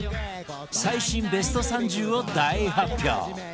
最新ベスト３０を大発表